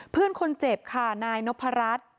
เพื่อนคนเจ็บค่ะนายนพรัช